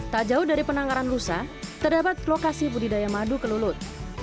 tak jauh dari penangkaran lusa terdapat lokasi budidaya madu kelulut